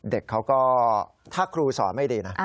เด็กเขาก็ถ้าครูสอนไม่ดีนะ